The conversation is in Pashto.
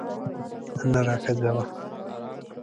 نره ښځه وه.